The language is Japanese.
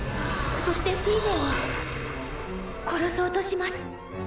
そしてフィーネを殺そうとします。